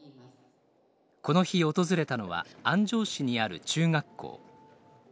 この日訪れたのは安城市にある中学校。